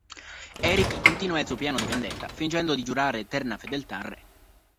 Eric continua il suo piano di vendetta, fingendo di giurare eterna fedeltà al re.